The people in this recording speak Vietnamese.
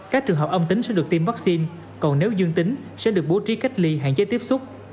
các trường hợp âm tính sẽ được tiêm vaccine còn nếu dương tính sẽ được bố trí cách ly hạn chế tiếp xúc